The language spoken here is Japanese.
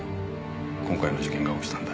今回の事件が起きたんだ